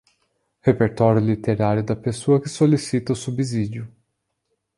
Repertório literário da pessoa que solicita o subsídio.